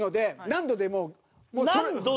何度でもう。